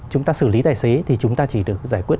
chúng ta xử lý tài xế thì chúng ta chỉ được giải quyết